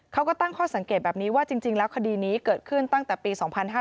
เขาก็ตั้งข้อสังเกตแบบนี้ว่าจริงแล้วคดีนี้เกิดขึ้นตั้งแต่ปี๒๕๕๙